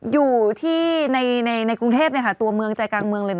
อย่างเจ๊ไป๋ไม่ได้เลย